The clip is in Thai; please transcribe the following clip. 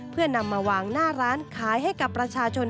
เพื่อนำมาวางหน้าร้านขายให้กับประชาชน